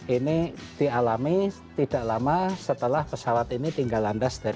ini dialami tidak lama setelah pesawat ini dianggap penerbangan